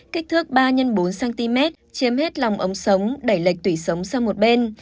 kích thước ba x bốn cm chiếm hết lòng ống sống đẩy lệch tủy sống sang một bên